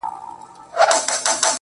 گل وي ياران وي او سايه د غرمې~